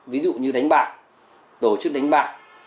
ví dụ như đánh bạc tổ chức đánh bạc